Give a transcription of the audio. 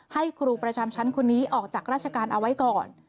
ให้ครูประจำชั้นคนนี้ออกจากราชการเอาไว้ก่อน